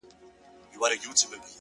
o جدايي وخوړم لاليه ـ ستا خبر نه راځي ـ